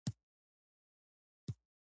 د کار د ټاکلي قرارداد ختمیدل لامل دی.